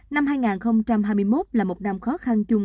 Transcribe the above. năm hai nghìn hai mươi một là một năm khó khăn chung